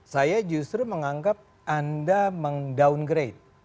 saya justru menganggap anda meng downgrade